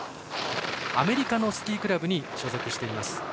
アメリカのスキークラブに所属しています。